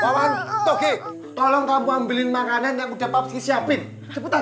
wawan toge tolong kamu ambilin makanan yang udah papski siapin cepetan